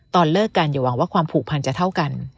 เลิกกันอย่าหวังว่าความผูกพันจะเท่ากัน